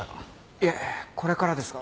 いえこれからですが。